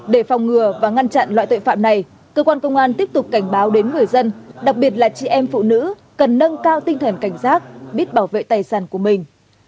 để phòng ngừa và ngăn chặn loại tội phạm này cơ quan công an tiếp tục cảnh báo đến người dân đặc biệt là chị em phụ nữ cần nâng cao tinh thần cảnh giác biết bảo vệ tài sản của mình